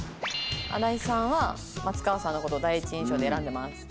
荒井さんは松川さんの事を第一印象で選んでます。